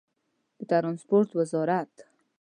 د ټرانسپورټ وزارت